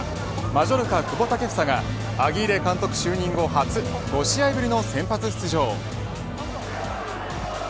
マジョルカ久保建英がアギーレ監督就任後５試合ぶりの先発出場。